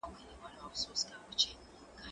اوبه له جوس ښه دي؟